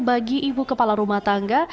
bagi ibu kepala rumah tangga